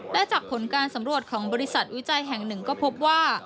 และจากผลการสำรวจของบริษัทวิจัยแห่งหนึ่งก็พบว่า